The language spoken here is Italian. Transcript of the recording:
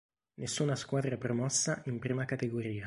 Nessuna squadra promossa in Prima Categoria.